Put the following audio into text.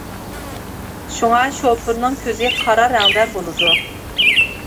شۇڭا شوپۇرنىڭ كۆزى قارا رەڭدە بولىدۇ.